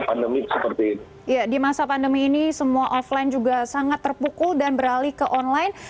pandemi seperti ini ya di masa pandemi ini semua offline juga sangat terpukul dan beralih ke online